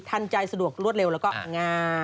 ทันใจสะดวกรวดเร็วแล้วก็งา